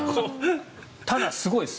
ただ、すごいです。